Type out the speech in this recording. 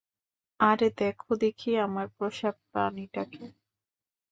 আরে দেখো দেখি, আমার পোষাপ্রাণীটাকে।